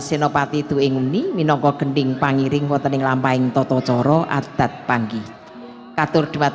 senopati tuing ini minoko kending panggiring potening lampain toto coro adat panggih katur